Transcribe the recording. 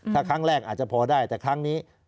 ถ้าครั้งแรกอาจจะพอได้แต่ครั้งนี้